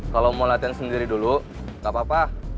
kalau mau latihan sendiri dulu nggak apa apa